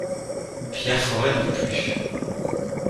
Pierre Forêt n'en peut plus.